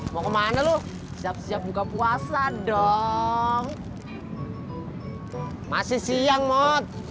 masih siang mot